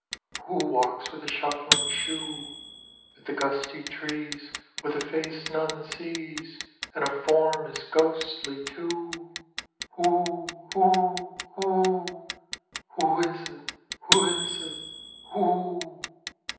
Who walks with a shuffling shoe, 'Mid the gusty trees, With a face none sees, And a form as ghostly too? Who, who, who! Who is it, who is it, who?"